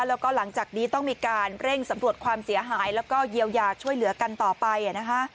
แล้วก็หลังจากนี้ต้องมีการเร่งสำรวจความเสียหายแล้วก็เยียวยาช่วยเหลือกันต่อไป